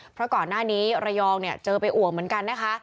เพราะก่อนหน้านี้ระยองเนี่ยเจอไปอ่วมเหมือนกันนะคะ